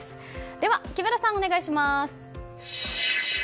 では木村さん、お願いします。